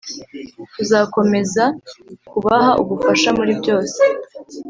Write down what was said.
tuzakomeza kubaha ubufasha muri byose